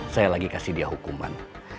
saya lagi kasih dia hukuman